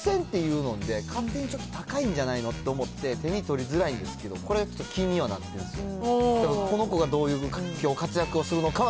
この特撰っていうのんで、勝手にちょっと高いんじゃないのと思って、手に取りづらいんですけど、これはちょっと気にはなってるんですよ。